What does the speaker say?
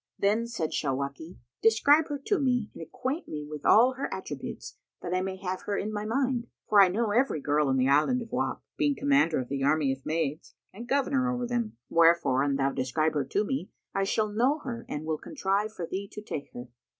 Then said Shawaki, "Describe her to me and acquaint me with all her attributes, that I may have her in my mind; for I know every girl in the Islands of Wak, being commander of the army of maids and governor over them; wherefore, an thou describe her to me, I shall know her and will contrive for thee to take her."